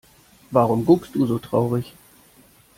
Warum guckst du so traurig?